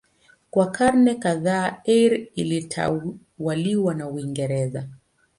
Kwa karne kadhaa Eire ilitawaliwa na Uingereza.